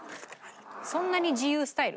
そんなに自由スタイル？